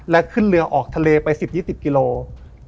และขึ้นเรือออกทะเลไป๑๐๒๐กิโลกรัม